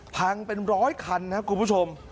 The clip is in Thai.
พังเป็นร้อยคันครับคุณผู้ชม